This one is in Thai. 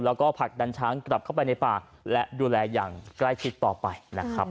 แล้วก็ผลักดันช้างกลับเข้าไปในป่าและดูแลอย่างใกล้ชิดต่อไปนะครับ